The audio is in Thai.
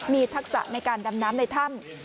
มีทักษะในการดำน้ำในถ้ำ